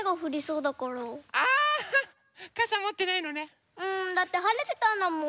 うんだってはれてたんだもん。